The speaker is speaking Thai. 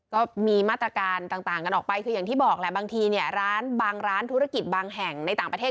ก็มีมาตรการต่างกันออกไปคืออย่างที่บอกแหละบางทีเนี่ยร้านบางร้านธุรกิจบางแห่งในต่างประเทศ